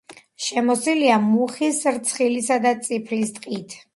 შემოსილია მუხის, რცხილისა და წიფლის ტყით.